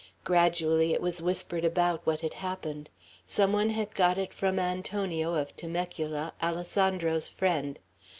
Gradually it was whispered about what had happened. Some one had got it from Antonio, of Temecula, Alessandro's friend.